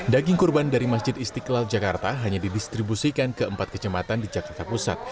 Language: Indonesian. daging kurban dari masjid istiqlal jakarta hanya didistribusikan ke empat kecematan di jakarta pusat